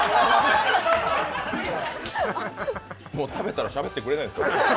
もう食べたらしゃべってくれないんですか？